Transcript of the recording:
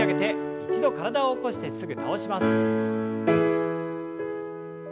一度体を起こしてすぐ倒します。